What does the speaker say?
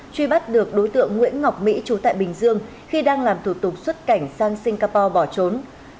truy bắt được đối tượng nguyễn ngọc mỹ trú tại bình dương khi đang làm thủ tục xuất cảnh sang singapore bỏ trốn